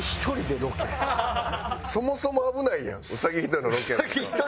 そもそも危ないやん兎１人のロケやったら。